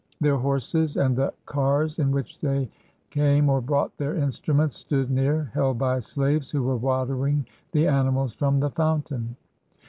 Their horses, and the cars in which they came, or brought their instruments, stood near, held by slaves, who were watering the animals from the fountain.